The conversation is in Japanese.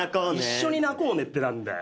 一緒に泣こうねって何だよ。